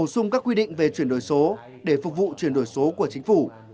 số để phục vụ chuyển đổi số của chính phủ